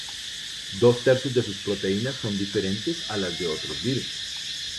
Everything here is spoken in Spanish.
Dos tercios de sus proteínas son diferentes a las de otros virus.